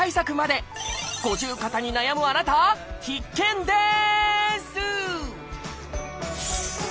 五十肩に悩むあなた必見です！